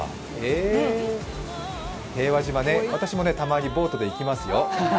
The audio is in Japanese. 平和島ね、私もたまにボートで行きますよ。